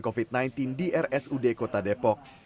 covid sembilan belas di rsud kota depok